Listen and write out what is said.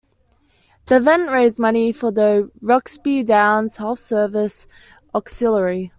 The event raised money for the Roxby Downs Health Service Auxiliary.